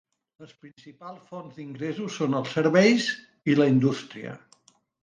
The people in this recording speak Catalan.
Les principals fonts d'ingressos són els serveis i la indústria.